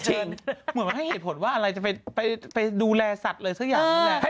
เหมือนมาให้เหตุผลว่าอะไรจะไปดูแลสัตว์อะไรสักอย่างนี้แหละ